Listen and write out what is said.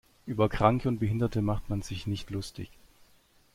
Über Kranke und Behinderte macht man sich nicht lustig.